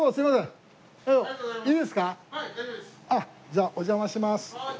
じゃあお邪魔します。